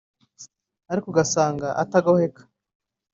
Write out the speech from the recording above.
ariko ugasanga atagoheka